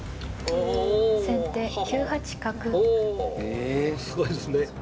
おすごいですね。